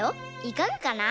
いかがかな？